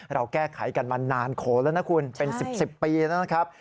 เราแก้ไขกันมานานโขนแล้วนะคุณเป็น๑๐ปีแล้วนะครับ